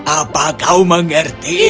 apa kau mengerti